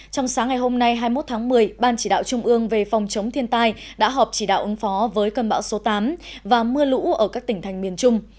trong sáng ngày hôm nay hai mươi một tháng một mươi ban chỉ đạo trung ương về phòng chống thiên tai đã họp chỉ đạo ứng phó với cơn bão số tám và mưa lũ ở các tỉnh thành miền trung